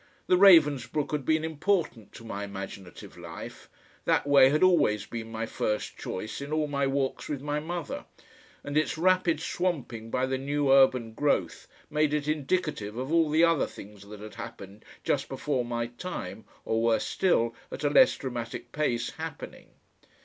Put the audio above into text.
The Ravensbrook had been important to my imaginative life; that way had always been my first choice in all my walks with my mother, and its rapid swamping by the new urban growth made it indicative of all the other things that had happened just before my time, or were still, at a less dramatic pace, happening.